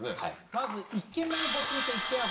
まず１軒目のポツンと一軒家